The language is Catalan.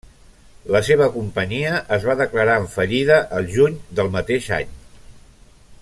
La seva companyia es va declarar en fallida el juny del mateix any.